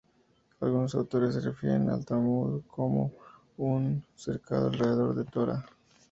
Algunos autores se refieren al Talmud como "un cercado alrededor de la Torá".